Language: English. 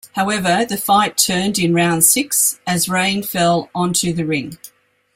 However, the fight turned in round six, as rain fell onto the ring.